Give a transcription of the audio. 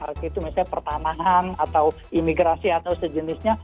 artinya itu misalnya pertanahan atau imigrasi atau sejenisnya